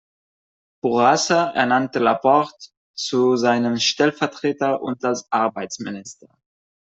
Bourassa ernannte Laporte zu seinem Stellvertreter und als Arbeitsminister.